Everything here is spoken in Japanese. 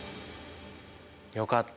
よかった。